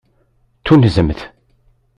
Tunzemt.